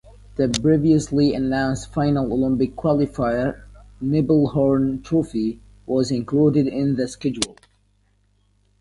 The previously announced final Olympic qualifier (Nebelhorn Trophy) was included in the schedule.